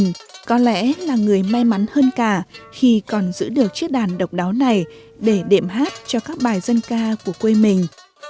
nhưng có lẽ là người may mắn hơn cả khi còn giữ được chiếc đàn độc đáo này để đệm hát cho các bài dân ca của quê mình